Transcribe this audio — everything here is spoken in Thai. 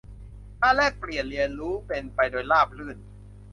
การแลกเปลี่ยนเรียนรู้เป็นไปโดยราบรื่น